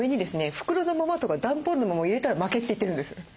袋のままとか段ボールのまま入れたら負けって言ってるんです。